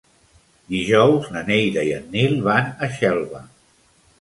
Dijous na Neida i en Nil van a Xelva.